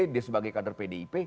dia sebagai kader pdip